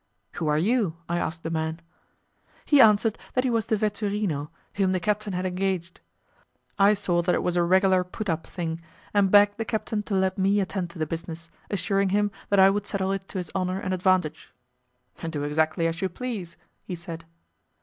"Who are you?" I asked the man. He answered that he was the 'vetturino' whom the captain had engaged. I saw that it was a regular put up thing, and begged the captain to let me attend to the business, assuring him that I would settle it to his honour and advantage. "Do exactly as you please," he said.